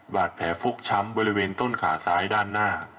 บาดแผลฟกช้ำบริเวณต้นขาซ้ายด้านหน้า